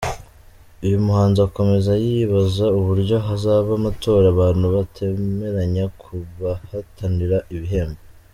Uyu muhanzi akomeza yibaza uburyo hazaba amatora abantu batemeranya ku bahatanira ibihembo.